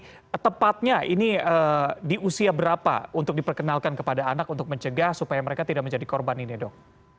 jadi tepatnya ini di usia berapa untuk diperkenalkan kepada anak untuk mencegah supaya mereka tidak menjadi korban ini dok